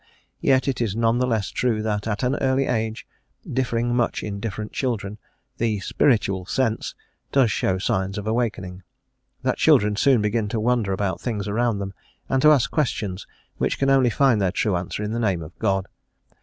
Yet is it none the less true that, at an early age, differing much in different children, the "spiritual sense" does show signs of awakening; that children soon begin to wonder about things around them, and to ask questions which can only find their true answer in the name of God.